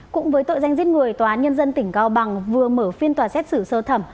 cũng với tội danh giết người tòa án nhân dân tỉnh cao bằng vừa mở phiên tòa xét xử sơ thẩm